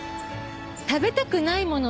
食べたくないもの？